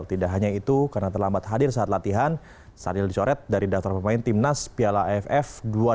tidak hanya itu karena terlambat hadir saat latihan sadil dicoret dari daftar pemain timnas piala aff dua ribu dua puluh